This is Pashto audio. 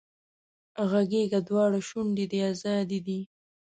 غږېږه دواړه شونډې دې ازادې دي